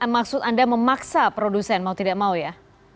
maksud anda memaksa produsen mau tidak mau ya